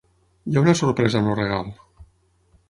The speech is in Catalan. Hi ha una sorpresa en el regal.